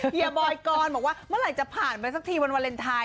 เฮียบอยกรบอกว่าเมื่อไหร่จะผ่านไปสักทีวันวาเลนไทย